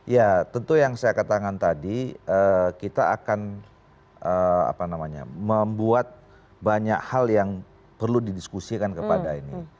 ya tentu yang saya katakan tadi kita akan membuat banyak hal yang perlu didiskusikan kepada ini